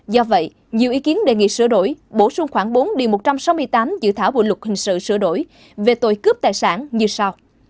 do vậy nhiều ý kiến đề nghị sửa đổi bổ sung khoảng bốn điều một trăm sáu mươi tám dự thảo bộ luật hình sự sửa đổi về tội cướp tài sản như sau